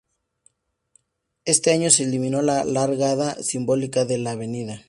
Este año se eliminó la largada simbólica de la Av.